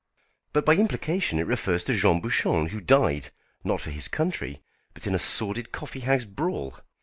"But by implication it refers to Jean Bouchon, who died, not for his country, but in a sordid coffee house brawl.